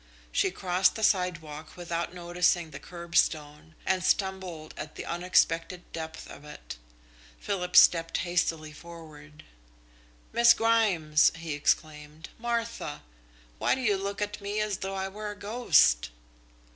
She crossed the sidewalk without noticing the curbstone, and stumbled at the unexpected depth of it. Philip stepped hastily forward. "Miss Grimes!" he exclaimed. "Martha!... Why do you look at me as though I were a ghost?"